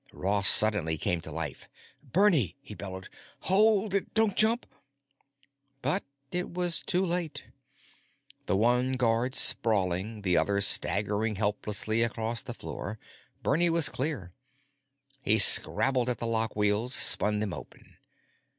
Ross suddenly came to life. "Bernie!" he bellowed. "Hold it! Don't jump!" But it was too late. The one guard sprawling, the other staggering helplessly across the floor, Bernie was clear. He scrabbled at the lockwheels, spun them open.